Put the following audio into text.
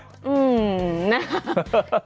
อื้มนะครับ